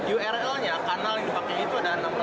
url nya kanal yang dihakil itu ada enam ratus tujuh ratus